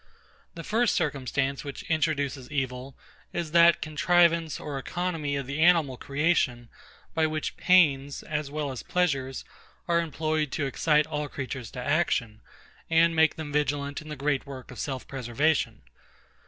The first circumstance which introduces evil, is that contrivance or economy of the animal creation, by which pains, as well as pleasures, are employed to excite all creatures to action, and make them vigilant in the great work of self preservation.